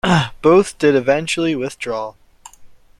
Both did eventually withdraw.